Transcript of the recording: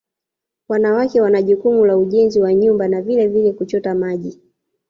Wanawake wana jukumu la ujenzi wa nyumba na vilevile kuchota maji